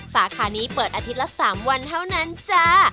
สาขานี้เปิดอาทิตย์ละ๓วันเท่านั้นจ้า